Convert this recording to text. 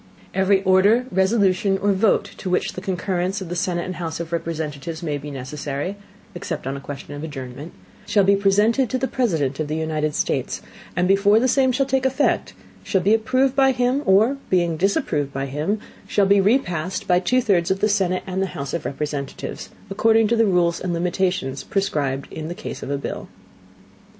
Every Order, Resolution, or Vote to which the Concurrence of the Senate and House of Representatives may be necessary (except on a question of Adjournment) shall be presented to the President of the United States; and before the Same shall take Effect, shall be approved by him, or being disapproved by him, shall be repassed by two thirds of the Senate and House of Representatives, according to the Rules and Limitations prescribed in the Case of a Bill.